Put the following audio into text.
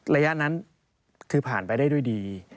ระยะนั้นคือผ่านไปได้ด้วยดี